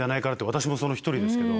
私もその一人ですけど。